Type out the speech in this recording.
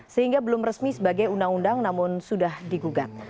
sehingga belum resmi sebagai undang undang namun sudah digugat